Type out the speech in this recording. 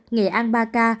nghệ an ba ca